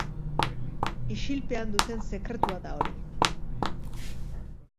Isilpean duten sekretua da hori.